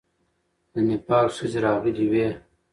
د نېپال ښځې راغلې وې.